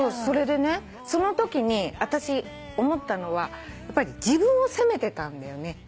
それでねそのときに私思ったのはやっぱり自分を責めてたんだよね。